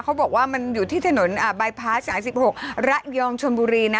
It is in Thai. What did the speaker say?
เขาบอกว่ามันอยู่ที่ถนนบายพาส๓๖ระยองชนบุรีนะ